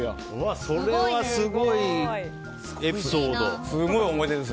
それはすごいエピソード。